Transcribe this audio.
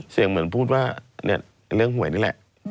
เสียงเหมือนพูดว่าเรื่องหวยนี่แหละ